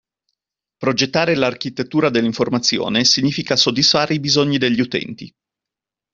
Progettare l'architettura dell'informazione significa soddisfare i bisogni degli utenti.